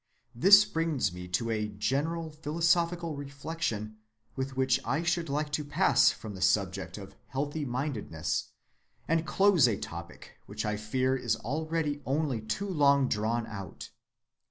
This brings me to a general philosophical reflection with which I should like to pass from the subject of healthy‐mindedness, and close a topic which I fear is already only too long drawn out.